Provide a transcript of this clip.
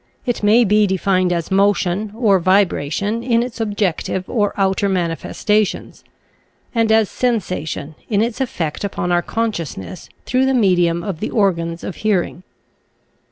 It may be defined as Motion or Vibration, in its objective or outer manifestations, and as Sensation in its effect upon our consciousness through the medium of the organs of hearing.